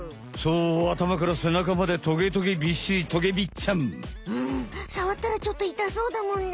うんさわったらちょっといたそうだもんね。